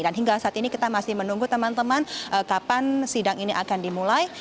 dan hingga saat ini kita masih menunggu teman teman kapan sidang ini akan dimulai